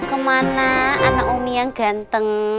mau kemana anak umi yang ganteng